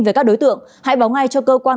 về các đối tượng hãy báo ngay cho cơ quan